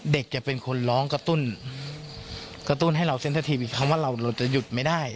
เด็กจะเป็นคนร้องกระตุ้นกระตุ้นให้เราเส้นสักทีวีคำว่าเราจะหยุดไม่ได้